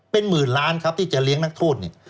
เป็นหมื่นล้านครับที่จะเลี้ยงนักโทษเนี่ย